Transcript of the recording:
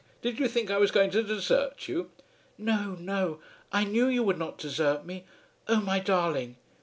Did you think I was going to desert you?" "No; no. I knew you would not desert me. Oh, my darling!"